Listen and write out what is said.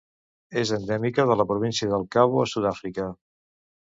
És endèmica de la Província del Cabo a Sudàfrica.